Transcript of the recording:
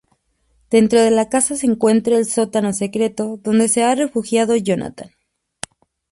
Dentro de la casa se encuentra el sótano secreto donde se ha refugiado Jonatan.